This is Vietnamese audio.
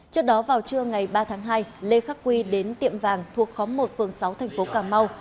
trước đó vào trưa ngày ba tháng hai lê khắc quy đến tiệm vàng thuộc khóm một phường sáu thành phố cà mau